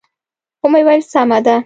و مې ویل: سمه ده.